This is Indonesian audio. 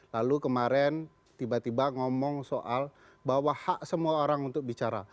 lalu kemarin tiba tiba ngomong soal bahwa hak semua orang untuk bicara